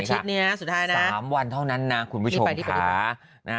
ประชิดนี้นะสุดท้ายนะ๓วันเท่านั้นนะคุณผู้ชมค่ะ